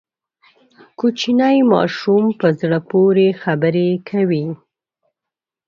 کوچنی ماشوم په زړه پورې خبرې کوي.